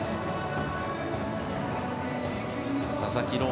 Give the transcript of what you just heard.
佐々木朗